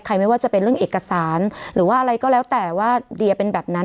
ไม่ว่าจะเป็นเรื่องเอกสารหรือว่าอะไรก็แล้วแต่ว่าเดียเป็นแบบนั้น